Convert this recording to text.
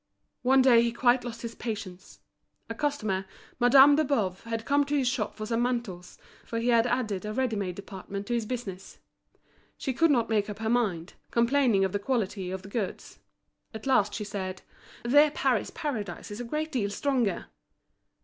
One day he quite lost patience. A customer, Madame de Boves, had come to his shop for some mantles, for he had added a ready made department to his business. She could not make up her mind, complaining of the quality of the goods. At last she said: "Their Paris Paradise is a great deal stronger."